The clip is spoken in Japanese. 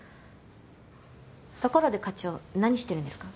ところで課長何してるんですか？